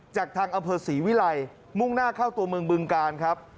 จากทางอำเภอศรีวิลัยมุ่งหน้าเข้าตัวเมืองบึงกาลครับ